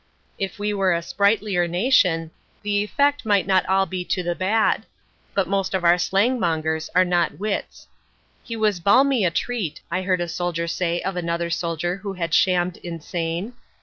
If we were a sprightlier nation the effect might not be all to the bad. But most of our slang mongers are not wits. "He was balmy a treat," I heard a soldier say of another soldier who had shammed insane.